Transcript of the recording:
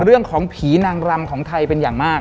เรื่องของผีนางรำของไทยเป็นอย่างมาก